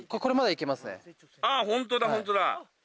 あぁホントだホントだ。